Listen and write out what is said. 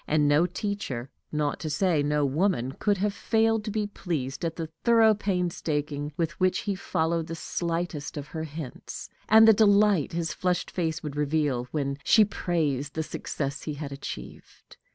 And no teacher, not to say no woman, could have failed to be pleased at the thorough painstaking with which he followed the slightest of her hints, and the delight his flushed face would reveal when she praised the success he had achieved.